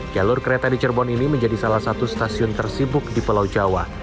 jalur kereta di cirebon ini menjadi salah satu stasiun tersibuk di pulau jawa